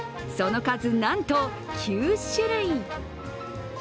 その数なんと９種類。